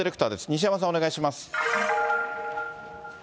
西山さん、お願いします。